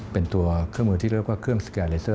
เป็นตัวเครื่องมือที่เรียกว่าเครื่องสแกนเลเซอร์